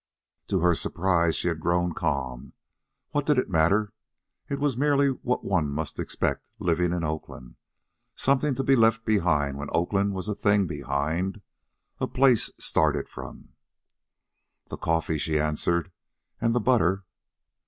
To her surprise, she had grown calm. What did it matter? It was merely what one must expect, living in Oakland something to be left behind when Oakland was a thing behind, a place started from. "The coffee," she answered. "And the butter."